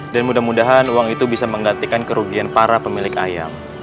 dan mudah mudahan uang itu bisa menggantikan kerugian para pemilik ayam